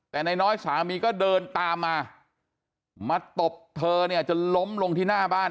แต่นายน้อยสามีก็เดินตามมามาตบเธอเนี่ยจนล้มลงที่หน้าบ้าน